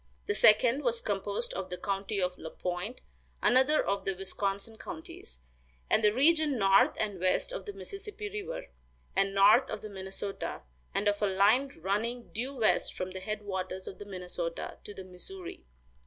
The second was composed of the county of La Pointe (another of the Wisconsin counties), and the region north and west of the Mississippi river, and north of the Minnesota, and of a line running due west from the head waters of the Minnesota to the Missouri.